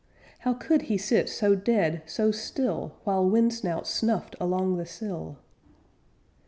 How could he sit so dead, so still! While wind snouts snuffed along the sill?